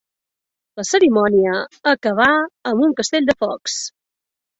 La cerimònia acabà amb un castell de focs.